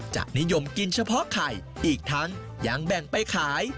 จะนิยมกินเฉพาะไข่อีกทั้งยังแบ่งไปขาย